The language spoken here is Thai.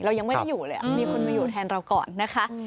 ยังไม่ได้อยู่เลยมีคนมาอยู่แทนเราก่อนนะคะ